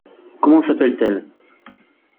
Comment s’appelle-t-elle ?